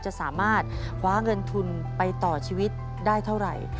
จะสามารถคว้าเงินทุนไปต่อชีวิตได้เท่าไหร่